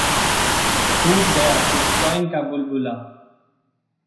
फूट गया बिटकॉइन का बुलबुला